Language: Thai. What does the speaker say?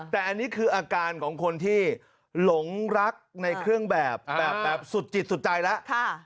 แต่อันนี้คืออาการของคนที่หลงรักในเครื่องแบบแบบสุดจิตสุดใจแล้ว